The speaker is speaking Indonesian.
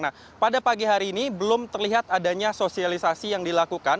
nah pada pagi hari ini belum terlihat adanya sosialisasi yang dilakukan